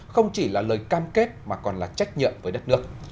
không chỉ là lời cam kết mà còn là trách nhiệm với đất nước